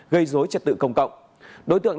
gây dối trật tự công cộng đối tượng